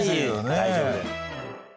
大丈夫です。